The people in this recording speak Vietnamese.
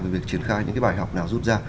việc triển khai những cái bài học nào rút ra